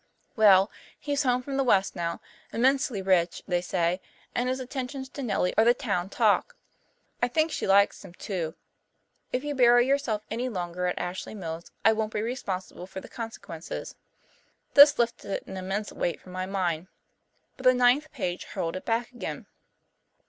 Well, he's home from the west now, immensely rich, they say, and his attentions to Nellie are the town talk. I think she likes him too. If you bury yourself any longer at Ashley Mills I won't be responsible for the consequences." This lifted an immense weight from my mind, but the ninth page hurled it back again.